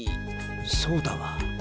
そうだわ。